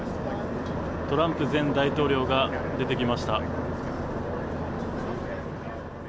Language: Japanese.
トランプ前大統領が出てきました。